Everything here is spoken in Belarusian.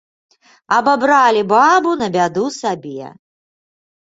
Абабралі бабу на бяду сабе.